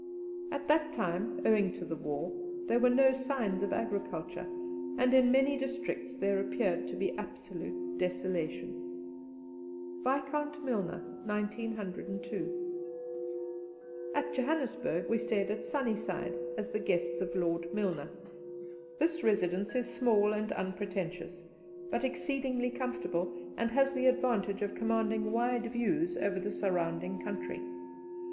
At that time, owing to the war, there were no signs of agriculture, and in many districts there appeared to be absolute desolation. At Johannesburg we stayed at Sunnyside, as the guests of Lord Milner. This residence is small and unpretentious, but exceedingly comfortable, and has the advantage of commanding wide views over the surrounding country.